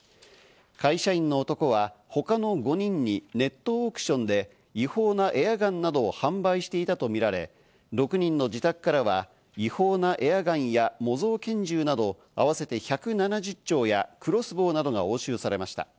会社員の男は他の５人にネットオークションで違法なエアガンなどを販売していたとみられ、６人の自宅からは違法なエアガンや模造拳銃など、あわせて１７０丁やクロスボウなどが押収されました。